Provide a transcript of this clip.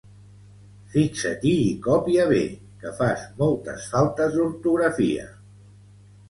Fixa-t'hi i copia bé, que fas moltes faltes d'ortografia